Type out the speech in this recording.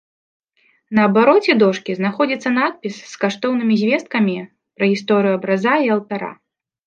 На абароце дошкі знаходзіцца надпіс з каштоўнымі звесткамі пра гісторыю абраза і алтара.